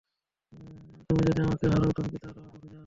তুমি যদি আমাকে হারাও, তুমি কি তাহলে আমাকেও খুঁজতে আসবে?